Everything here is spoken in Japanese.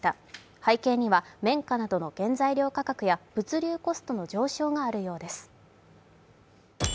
背景には綿花などの物流価格や物流コストの上昇があるようです。